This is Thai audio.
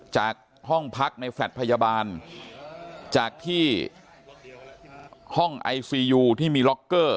จากห้องพักในแฟลตพยาบาลจากที่ห้องไอซียูที่มีล็อกเกอร์